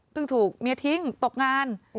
เพิ่งถูกเมียทิ้งตกงาน